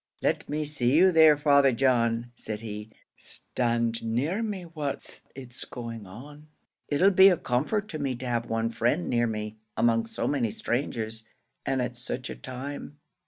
"Let me see you there, Father John," said he. "Stand near me whilst it's going on; it'll be a comfort to me to have one friend near me among so many strangers, and at such a time."